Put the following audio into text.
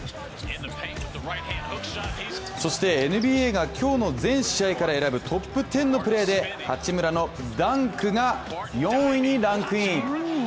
そしてＮＢＡが今日の全試合から選ぶトップ１０のプレーで八村のダンクが４位にランクイン。